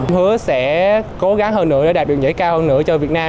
em hứa sẽ cố gắng hơn nữa để đạt được giải cao hơn nữa cho việt nam